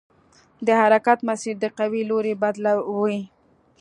د حرکت مسیر د قوې لوری بدلوي.